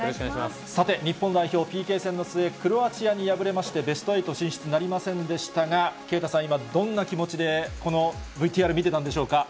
さて、日本代表、ＰＫ戦の末、クロアチアに敗れまして、ベスト８進出なりませんでしたが、啓太さん、今、どんな気持ちでこのＶＴＲ見てたんでしょうか。